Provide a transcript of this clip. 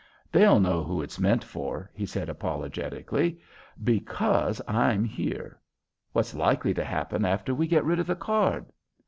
"They'll know who it's meant for," he said, apologetically, "because I'm here. What's likely to happen after we get rid of the card?"